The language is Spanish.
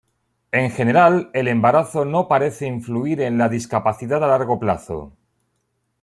En general, el embarazo no parece influir en la discapacidad a largo plazo.